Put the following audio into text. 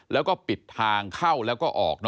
แล้วก็ปิดทางเข้าแล้วก็ออก